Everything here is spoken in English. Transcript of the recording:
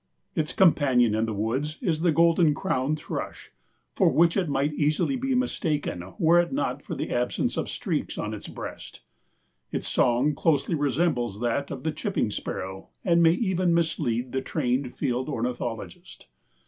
Its companion in the woods is the golden crowned thrush, for which it might easily be mistaken were it not for the absence of streaks on its breast. Its song closely resembles that of the chipping sparrow and may even mislead the trained field ornithologist.